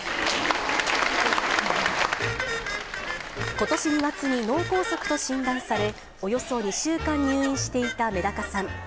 ことし２月に脳梗塞と診断され、およそ２週間入院していためだかさん。